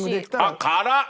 あっ辛っ！